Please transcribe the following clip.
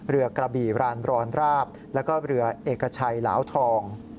กระบี่รานรอนราบแล้วก็เรือเอกชัยเหลาทอง